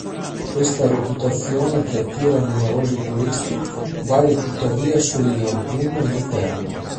Questa reputazione, che attira numerosi turisti, vale tuttavia solo in autunno e in inverno.